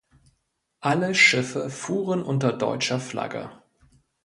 Alle Schiffe fuhren unter deutscher Flagge.